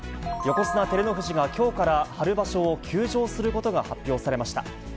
横綱・照ノ富士がきょうから春場所を休場することが発表されました。